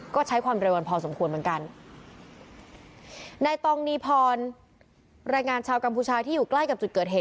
ก็ใช้ความเร็ววันพอสมควรเหมือนกันนายตองนีพรแรงงานชาวกัมพูชาที่อยู่ใกล้กับจุดเกิดเหตุ